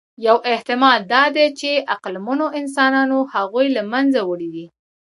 یو احتمال دا دی، چې عقلمنو انسانانو هغوی له منځه وړي دي.